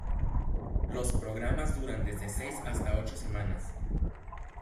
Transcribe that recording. Los programas duran desde seis hasta ocho semanas.